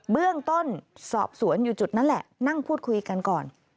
เบื้องต้นสอบสวนอยู่จุดนั้นแหละนั่งพูดคุยกันก่อน